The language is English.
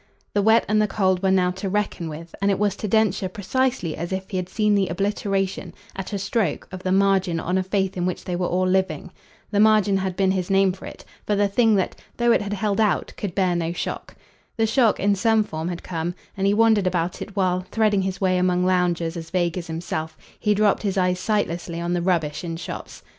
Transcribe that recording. The wet and the cold were now to reckon with, and it was to Densher precisely as if he had seen the obliteration, at a stroke, of the margin on a faith in which they were all living. The margin had been his name for it for the thing that, though it had held out, could bear no shock. The shock, in some form, had come, and he wondered about it while, threading his way among loungers as vague as himself, he dropped his eyes sightlessly on the rubbish in shops.